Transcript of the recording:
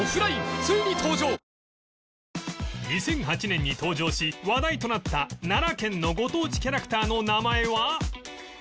２００８年に登場し話題となった奈良県のご当地キャラクターの名前は？